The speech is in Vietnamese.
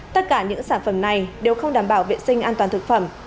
tất cả những sản phẩm này đều không đảm bảo vệ sinh an toàn thực phẩm